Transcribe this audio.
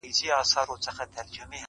گوره اوښكي به در تـــوى كـــــــــړم.